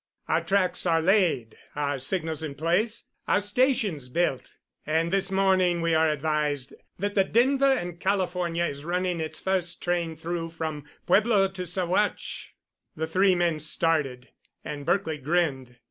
Our tracks are laid, our signals in place, our stations built, and this morning we are advised that the Denver and California is running its first train through from Pueblo to Saguache!" The three men started, and Berkely grinned.